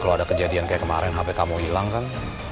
kalau ada kejadian kayak kemarin hp kamu hilang kan